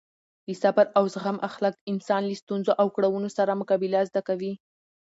د صبر او زغم اخلاق انسان له ستونزو او کړاوونو سره مقابله زده کوي.